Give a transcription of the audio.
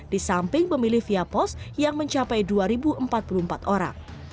di samping pemilih via pos yang mencapai dua empat puluh empat orang